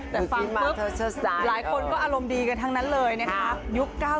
แต่ฟังปุ๊บหลายคนก็อารมณ์ดีกันทั้งนั้นเลยนะคะ